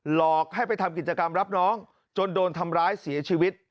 หลอกให้ไปทำกิจกรรมรับน้องจนโดนทำร้ายเสียชีวิต